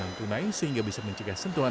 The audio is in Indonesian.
dan tunai sehingga bisa mencegah sentuhan